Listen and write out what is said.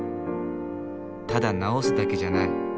ただ直すだけじゃない。